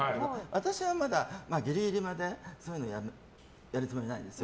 私は、ギリギリまでそういうのをやるつもりないんです。